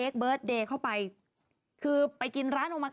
สวัสดีครับ